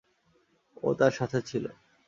ও তার সাথে ছিল।